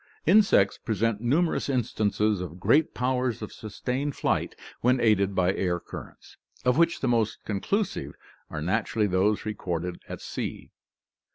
Insects present numerous instances of great powers of sustained flight when aided by air currents, of which the most conclusive are naturally those recorded at sea.